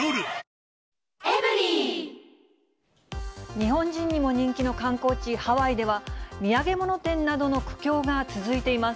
日本人にも人気の観光地、ハワイでは、土産物店などの苦境が続いています。